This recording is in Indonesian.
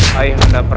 apa yang benar